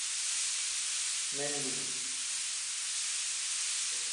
Men-lim.